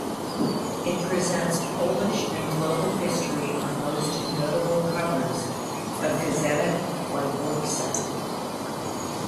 It presents Polish and global history on most notable covers of "Gazeta Wyborcza".